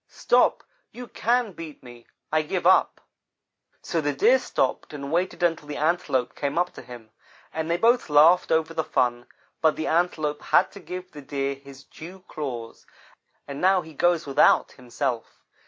Stop, you can beat me. I give up.' "So the Deer stopped and waited until the Antelope came up to him, and they both laughed over the fun, but the Antelope had to give the Deer his dew claws, and now he goes without himself.